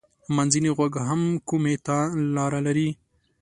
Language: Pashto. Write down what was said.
منځنی غوږ هم کومي ته لاره لري.